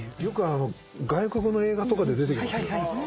よく外国の映画とかで出てきますよね？